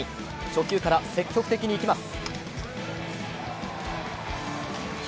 初球から積極的にいきます。